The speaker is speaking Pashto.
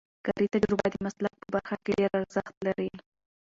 کاري تجربه د مسلک په برخه کې ډېر ارزښت لري.